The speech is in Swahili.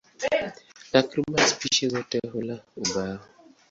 Takriban spishi zote hula ubao.